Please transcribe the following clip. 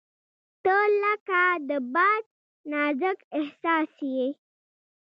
• ته لکه د باد نازک احساس یې.